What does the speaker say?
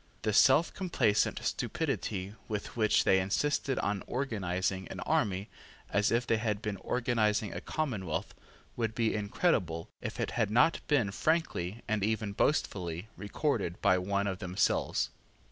The selfcomplacent stupidity with which they insisted on Organising an army as if they had been organising a commonwealth would be incredible if it had not been frankly and even boastfully recorded by one of themselves.